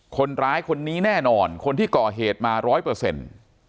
คนร้ายคนนี้แน่นอนคนที่ก่อเหตุมาร้อยเปอร์เซ็นต์